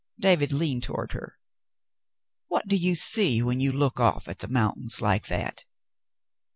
David leaned toward her. "What do you see when you look off at the mountain like that